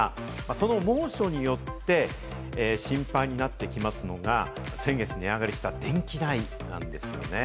その猛暑によって心配になってくるのが、先月値上がりした電気代ですね。